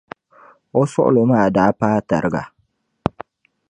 O suɣilo maa daa paai tariga.